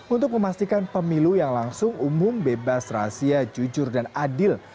untuk memastikan pemilu yang langsung umum bebas rahasia jujur dan adil